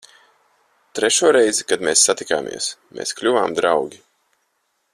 Trešo reizi, kad mēs satikāmies, mēs kļuvām draugi.